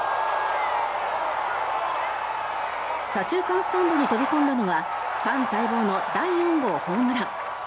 左中間スタンドに飛び込んだのはファン待望の第４号ホームラン。